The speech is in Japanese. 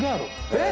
えっ！？